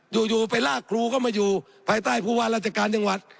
อยู่ไปลากครูเข้ามาอยู่ภายใต้ผู้ว่าราชการจังหวัด